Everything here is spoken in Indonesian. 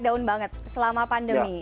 daun banget selama pandemi